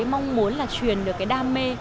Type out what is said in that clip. mong muốn là truyền được cái đam mê